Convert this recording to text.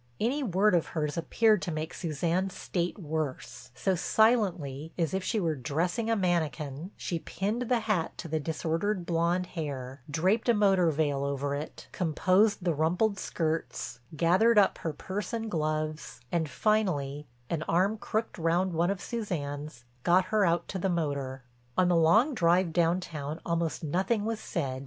Any word of hers appeared to make Suzanne's state worse, so silently, as if she were dressing a manikin, she pinned the hat to the disordered blonde hair, draped a motor veil over it, composed the rumpled skirts, gathered up her purse and gloves, and finally, an arm crooked round one of Suzanne's, got her out to the motor. On the long drive downtown almost nothing was said.